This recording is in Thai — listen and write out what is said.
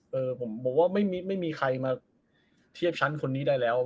เออผมบอกว่าไม่มีใครมาเทียบชั้นคนนี้ได้แล้ว